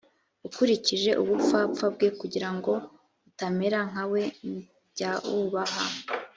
ukurikije ubupfapfa bwe kugira ngo utamera nka we jya wubaha